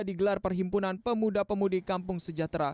digelar perhimpunan pemuda pemudi kampung sejahtera